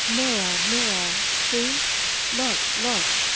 "Mira! mira!" "See!" "Look, look!"